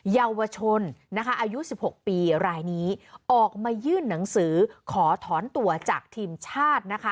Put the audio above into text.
เยาวชนนะคะอายุ๑๖ปีรายนี้ออกมายื่นหนังสือขอถอนตัวจากทีมชาตินะคะ